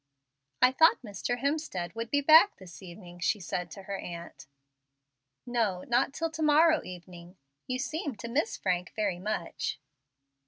"I thought Mr. Hemstead would be back this evening?" she said to her aunt. "No, not till to morrow evening. You seem to miss Frank very much."